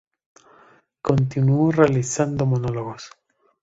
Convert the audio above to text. Continuó realizando monólogos.